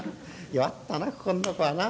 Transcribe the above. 弱ったなここんとこはな。